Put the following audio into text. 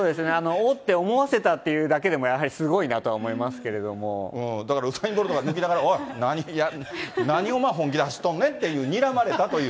おっと思わせたというだけでも、やはりすごいなとは思いますだからウサイン・ボルトが抜きながら、おい、何お前本気で走っとんねんってにらまれたという。